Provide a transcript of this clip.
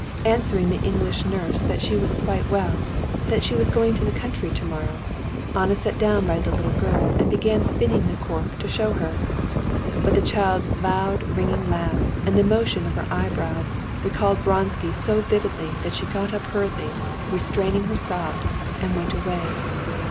Answering the English nurse that she was quite well, and that she was going to the country tomorrow, Anna sat down by the little girl and began spinning the cork to show her. But the child's loud, ringing laugh, and the motion of her eyebrows, recalled Vronsky so vividly that she got up hurriedly, restraining her sobs, and went away.